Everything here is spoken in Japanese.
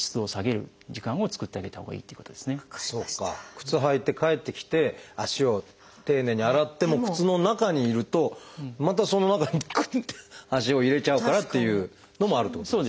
靴履いて帰ってきて足を丁寧に洗っても靴の中にいるとまたその中にクッて足を入れちゃうからっていうのもあるってことですね。